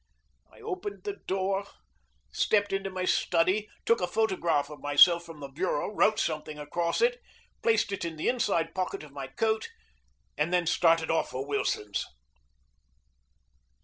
I opened the door, stepped into my study, took a photograph of myself from the bureau, wrote something across it, placed it in the inside pocket of my coat, and then started off for Wilson's.